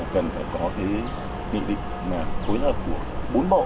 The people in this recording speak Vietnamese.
cần phải có cái định định phối hợp của bốn bộ